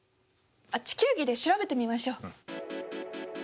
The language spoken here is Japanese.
あっ地球儀で調べてみましょう。